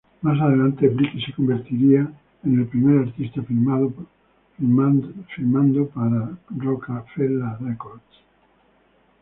Más adelante, Bleek se convertiría en el primer artista firmado por Roc-a-Fella Records.